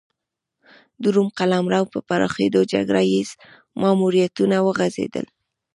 د روم قلمرو په پراخېدو جګړه ییز ماموریتونه وغځېدل